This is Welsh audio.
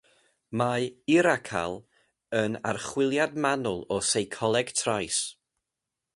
Mae "irakal" yn archwiliad manwl o seicoleg trais.